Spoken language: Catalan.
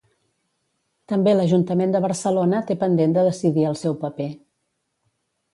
També l'Ajuntament de Barcelona té pendent de decidir el seu paper.